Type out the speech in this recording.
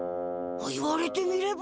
言われてみれば。